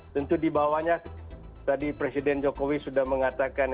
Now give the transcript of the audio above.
tentu di bawahnya tadi presiden jokowi sudah mengatakan